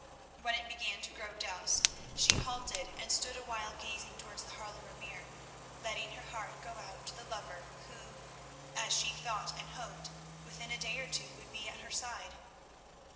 When it began to grow dusk, she halted and stood a while gazing towards the Haarlemer Meer, letting her heart go out to the lover who, as she thought and hoped, within a day or two would be at her side.